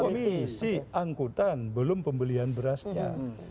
komisi angkutan belum pembelian berasnya